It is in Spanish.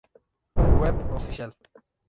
Web oficial